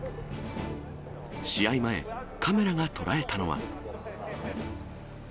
試合前、カメラが捉えたのは。